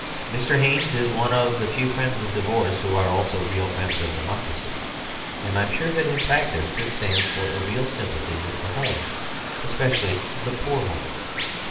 Mr. Haynes is one of the few friends of divorce who arc also real friends of democracy; and I am sure that in practice this stands for a real sympa thy with the home, especially the poor home.